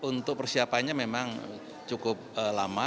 untuk persiapannya memang cukup lama